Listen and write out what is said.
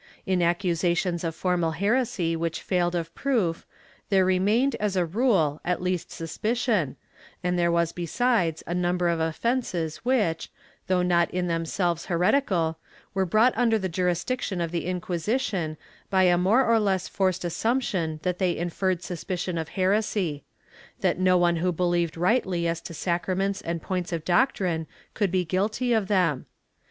In accusations of formal heresy which failed of proof, there remained, as a rule, at least suspicion, and there was besides a number of offences which, though not in them selves heretical, were brought under the jurisdiction of the Inqui sition by a more or less forced assumption that they inferred suspicion of heresy — that no one who believed rightly as to sacra ments and points of doctrine could be guilty of them.